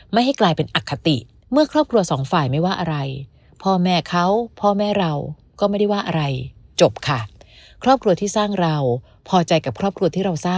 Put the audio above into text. ไม่ให้กลายเป็นอัคติ